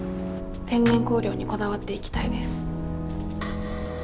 天然香料にこだわっていきたいです。